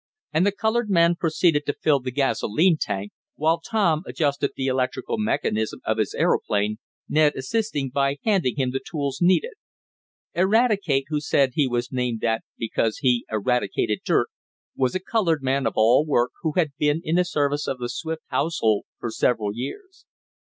And the colored man proceeded to fill the gasolene tank, while Tom adjusted the electrical mechanism of his aeroplane, Ned assisting by handing him the tools needed. Eradicate, who said he was named that because he "eradicated" dirt, was a colored man of all work, who had been in the service of the Swift household for several years.